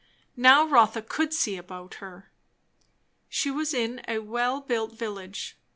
Now Rotha could see about her. She was in a well built village.